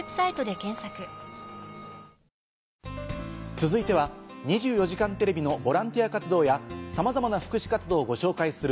続いては『２４時間テレビ』のボランティア活動やさまざまな福祉活動をご紹介する。